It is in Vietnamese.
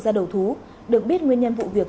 ra đầu thú được biết nguyên nhân vụ việc